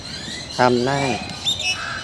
ทำง่าย